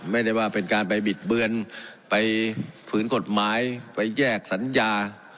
ไม่ได้ว่าเป็นการไปบิดเบือนไปฝืนกฎหมายไปแยกสัญญา